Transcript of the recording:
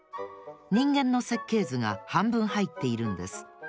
人間の設計図がはんぶんはいっているんです。